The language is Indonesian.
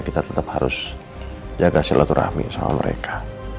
kita tetap harus jaga silaturahmi sama mereka